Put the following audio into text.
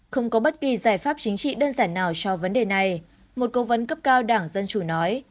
không có bất kỳ giải pháp chính trị đơn giản nào cho vấn đề này một cố vấn cấp cao đảng dân chủ nói